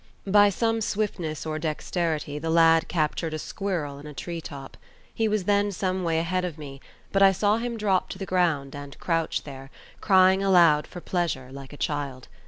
By some swiftness or dexterity the lad captured a squirrel in a tree top. He was then some way ahead of me, but I saw him drop to the ground and crouch there, crying aloud for pleasure like a child.